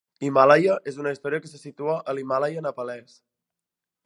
Himàlaia és una història que se situa a l'Himàlaia nepalès.